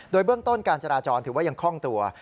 โดยเบื้องต้นการจราจรถือว่ายังคล่องตัว